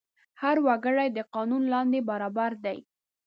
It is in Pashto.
هر وګړی د قانون لاندې برابر دی.